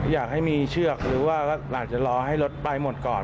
อยากให้มีเชือกหรือว่าอาจจะรอให้รถไปหมดก่อน